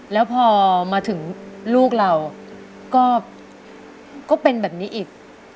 แล้วพอมาถึงลูกเราก็เป็นแบบนี้อีก